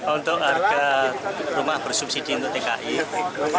untuk harga rumah bersubsidi untuk tki